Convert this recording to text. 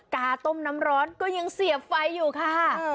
กาต้มน้ำร้อนก็ยังเสียบไฟอยู่ค่ะ